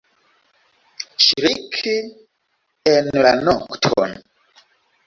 Ŝriki en la nokton!